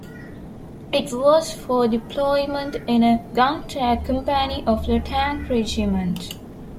It was for deployment in a "gun tank company of the tank regiment".